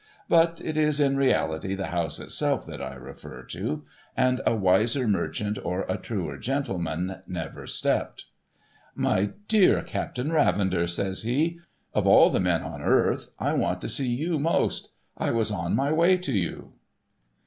But, it is in reality the House itself that I refer to ; and a wiser merchant or a truer gentleman never stepped. ' j\Iy dear Captain Ravender,' says he. ' Of all the men on earth, I wanted to see you most. I was on my way to you.'